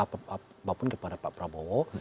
apapun kepada pak prabowo